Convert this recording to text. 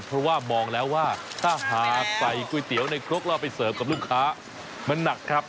เพราะว่ามองแล้วว่าถ้าหากใส่ก๋วยเตี๋ยวในครกแล้วไปเสิร์ฟกับลูกค้ามันหนักครับ